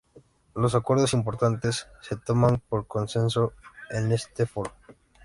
Los acuerdos importantes se toman por consenso en este foro.